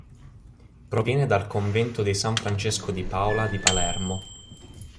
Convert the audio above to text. Proviene dal convento di San Francesco di Paola di Palermo.